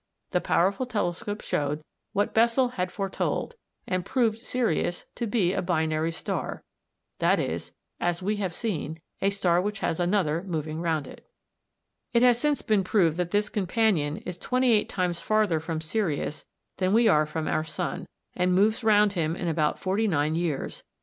The powerful telescope showed what Bessel had foretold, and proved Sirius to be a "binary" star that is, as we have seen, a star which has another moving round it. It has since been proved that this companion is twenty eight times farther from Sirius than we are from our sun, and moves round him in about forty nine years.